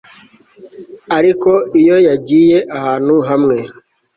ariko iyo yagiye ahantu hamwe